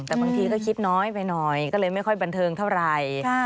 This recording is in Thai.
แต่บางทีก็คิดน้อยไปหน่อยก็เลยไม่ค่อยบันเทิงเท่าไหร่